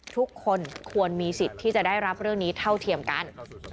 ทุกคนควรมีสิทธิ์ที่จะได้รับเรื่องนี้เท่าเทียมกัน